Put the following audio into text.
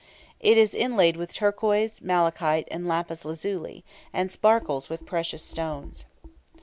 It is inlaid with turquoise, malachite, and lapis lazuli, and sparkles with precious stones.